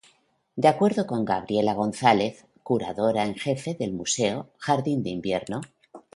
De acuerdo con Gabriela González, curadora en jefe del museo, Jardín de invierno.